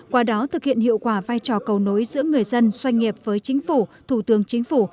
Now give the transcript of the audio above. qua đó thực hiện hiệu quả vai trò cầu nối giữa người dân doanh nghiệp với chính phủ thủ tướng chính phủ